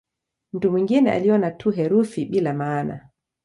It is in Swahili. Mtu mwingine aliona tu herufi bila maana.